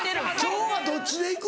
今日はどっちでいく？